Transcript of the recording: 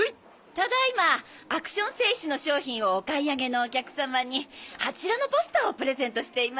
ただ今アクション製紙の商品をお買い上げのお客様にあちらのポスターをプレゼントしています。